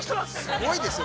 ◆すごいですよ。